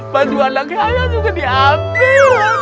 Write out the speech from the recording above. baju anaknya saya juga diambil